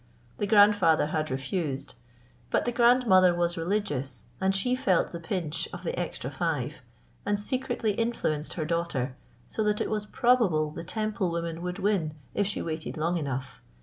The grandfather had refused; but the grandmother was religious, and she felt the pinch of the extra five, and secretly influenced her daughter, so that it was probable the Temple woman would win if she waited long enough.